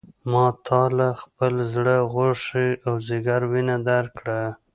ما تا له خپل زړه غوښې او ځیګر وینه درکړه.